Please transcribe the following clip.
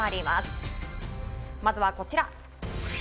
まずはこちら。